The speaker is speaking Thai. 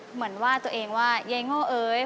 เหมือนว่าตัวเองว่ายายโง่เอ๋ย